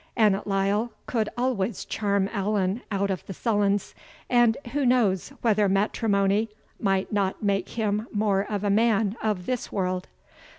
Annot Lyle could always charm Allan out of the sullens, and who knows whether matrimony might not make him more a man of this world?"